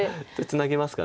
ツナぎますか。